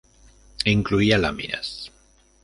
Incluía láminas.